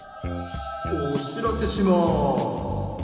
おしらせします。